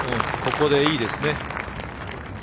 ここでいいですね。